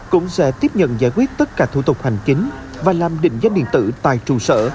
cũng sẽ tiếp nhận giải quyết tất cả thủ tục hành chính và làm định danh điện tử tại trụ sở